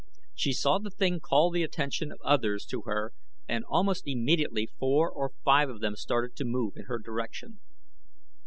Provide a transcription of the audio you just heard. She saw the thing call the attention of others to her and almost immediately four or five of them started to move in her direction.